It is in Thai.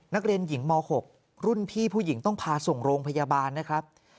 นักเรียนหญิงม๖รุ่นพี่ผู้หญิงต้องพาส่งโรงพยาบาลนะครับ